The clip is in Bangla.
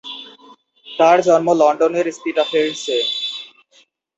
তার জন্ম লন্ডনের স্পিটাফিল্ডসে।